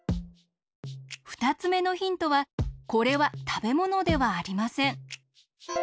ふたつめのヒントはこれはたべものではありません。